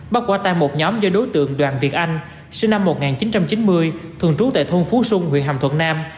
bắt quả tan một nhóm do đối tượng đoàn việt anh sinh năm một nghìn chín trăm chín mươi thường trú tại thôn phú sung huyện hàm thuận nam